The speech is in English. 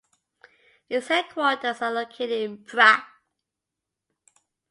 Its headquarters are located in Prague.